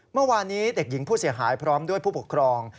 เมื่อวานี้เด็กหญิงผู้เสียหายพร้อมด้วยผู้ปกครอง